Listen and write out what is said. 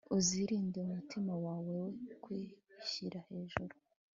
uzirinde umutima wawe we kwishyira hejuru